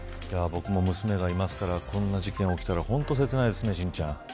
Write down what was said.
僕も娘がいますからこんな事件が起きたら本当に切ないですね、心ちゃん。